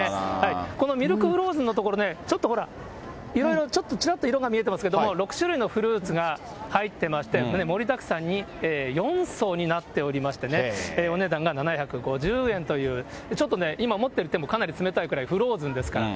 このミルクフローズンのところね、ちょっとほら、いろいろちょっとちらっと色が見えてますけれども、６種類のフルーツが入っていまして、盛りだくさんに４層になっておりましてね、お値段が７５０円という、ちょっとね、今持ってる手もかなり冷たいくらい、フローズンですから。